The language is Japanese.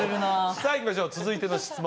さあいきましょう続いての質問